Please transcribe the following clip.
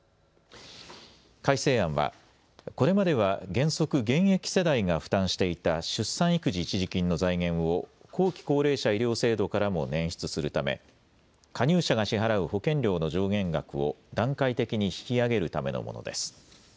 改正案はこれまでは原則、現役世代が負担していた出産育児一時金の財源を後期高齢者医療制度からも捻出するため加入者が支払う保険料の上限額を段階的に引き上げるためのものです。